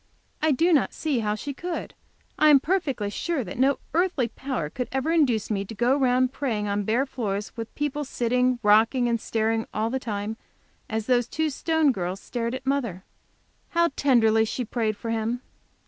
I do not see how she could. I am perfectly sure that no earthly power could ever induce me to go round praying on bare floors, with people sitting, rocking and staring all the time, as the two Stone girls stared at mother. How tenderly she prayed for him!